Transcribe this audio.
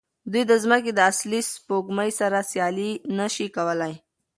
دوی د ځمکې د اصلي سپوږمۍ سره سیالي نه شي کولی.